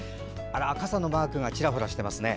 傘のマークがちらほらしていますね。